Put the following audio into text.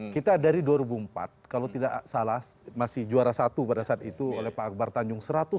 kita dari dua ribu empat kalau tidak salah masih juara satu pada saat itu oleh pak akbar tanjung